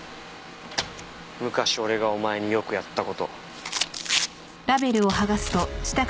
昔俺がお前によくやった事。